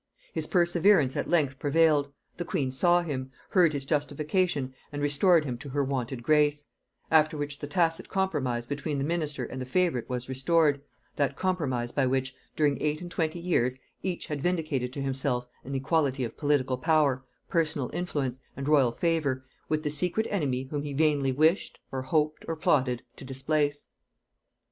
His perseverance at length prevailed: the queen saw him; heard his justification, and restored him to her wonted grace; after which the tacit compromise between the minister and the favorite was restored; that compromise by which, during eight and twenty years, each had vindicated to himself an equality of political power, personal influence, and royal favor, with the secret enemy whom he vainly wished, or hoped, or plotted, to displace.